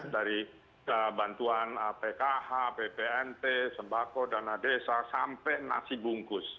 dari bantuan pkh ppnt sembako dana desa sampai nasi bungkus